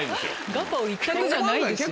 ガパオ一択じゃないですよ。